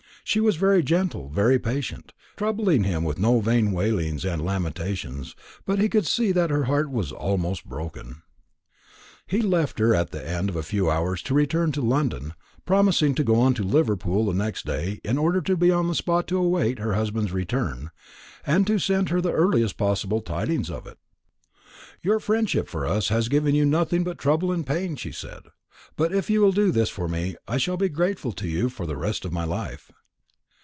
She was very gentle, very patient, troubling him with no vain wailings and lamentations; but he could see that her heart was almost broken. He left her at the end of a few hours to return to London, promising to go on to Liverpool next day, in order to be on the spot to await her husband's return, and to send her the earliest possible tidings of it. "Your friendship for us has given you nothing but trouble and pain," she said; "but if you will do this for me, I shall be grateful to you for the rest of my life."